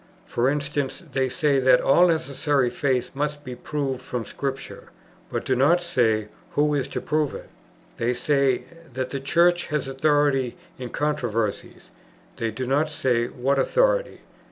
For instance, they say that all necessary faith must be proved from Scripture; but do not say who is to prove it. They say, that the Church has authority in controversies; they do not say what authority.